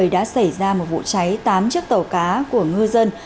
đã xảy ra một vụ cháy tám chiếc tàu cá của ngư dân